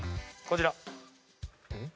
こちら。